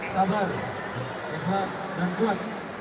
sabar ikhlas dan kuat